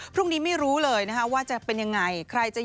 พรุ่งนี้ไม่รู้เลยว่าจะเป็นยังไง